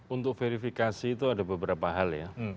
untuk verifikasi itu ada beberapa hal ya